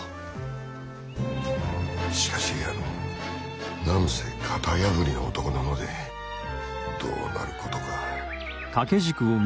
しかし何せ型破りな男なのでどうなることか。